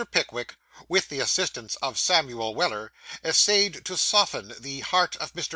PICKWICK, WITH THE ASSISTANCE OF SAMUEL WELLER, ESSAYED TO SOFTEN THE HEART OF MR.